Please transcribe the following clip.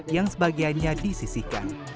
yang sebagiannya disisikan